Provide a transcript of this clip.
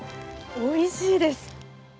おいしいです。